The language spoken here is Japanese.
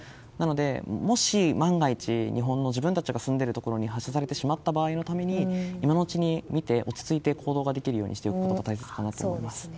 なので、もし万が一日本の自分たちが住んでいるところに発射されてしまった場合のために今のうちに見て、落ち着いて行動ができるようにしておくことが大切かなと思います。